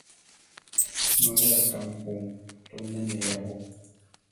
Má we akámi ju, to ne nerábo.